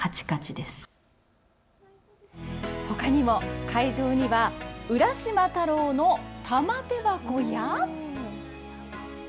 ほかにも会場には浦島太郎の玉手箱や。